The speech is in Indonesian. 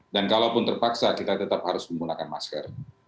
dan kalaupun terpaksa kita tetap harus menggunakan masker